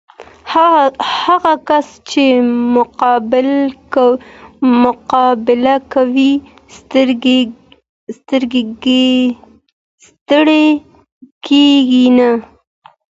هغه کس چې مقابله کوي، ستړی کېږي نه.